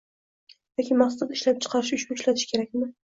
yoki mahsulot ishlab chiqarish uchun ishlatishi kerakmi